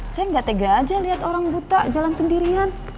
saya gak tega aja liat orang buta jalan sendirian